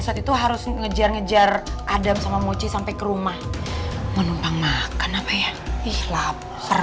saat itu harus ngejar ngejar adam sama mochi sampai ke rumah menumpang makan apa ya ikhlaf